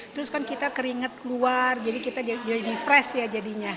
terus kan kita keringet keluar jadi kita jadi fresh ya jadinya